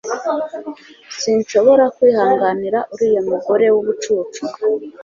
sinshobora kwihanganira uriya mugore wubucucu